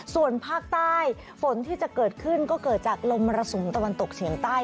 ส่วนภาคใต้ฝนที่จะเกิดขึ้นก็เกิดจากลมมรสุมตะวันตกเฉียงใต้